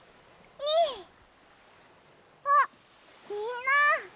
あっみんな！